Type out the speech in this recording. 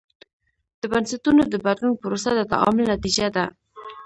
د بنسټونو د بدلون پروسه د تعامل نتیجه ده.